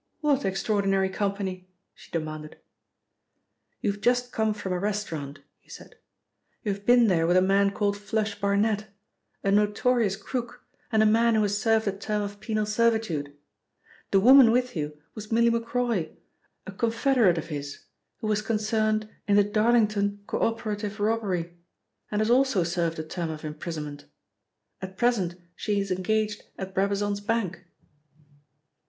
"What extraordinary company?" she demanded. "You have just come from a restaurant," he said. "You have been there with a man called 'Flush' Barnet, a notorious crook and a man who has served a term of penal servitude. The woman with you was Milly Macroy, a confederate of his who was concerned in the Darlington Co Operative robbery and has also served a term of imprisonment. At present she is engaged at Brabazon's Bank."